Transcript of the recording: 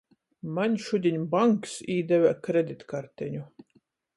Maņ šudiņ banks īdeve kreditkarteņu.